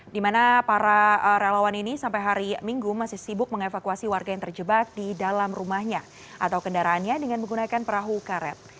di mana para relawan ini sampai hari minggu masih sibuk mengevakuasi warga yang terjebak di dalam rumahnya atau kendaraannya dengan menggunakan perahu karet